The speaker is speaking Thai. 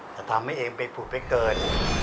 จะทำให้เองไปผุดไปเกิด